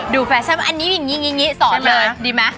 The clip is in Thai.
ดูแฟชั่นอันนี้อย่างนี้สอนเลยดีมั้ย